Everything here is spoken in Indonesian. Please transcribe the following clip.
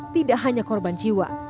tidak hanya korban jiwa